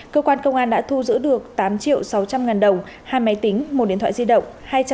cơ quan công an đã thu giữ được tám triệu sáu trăm linh ngàn đồng hai máy tính một điện thoại di động